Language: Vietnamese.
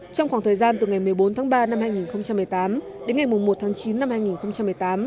trong khoảng thời gian từ ngày một mươi bốn tháng ba năm hai nghìn một mươi tám đến ngày một tháng chín năm hai nghìn một mươi tám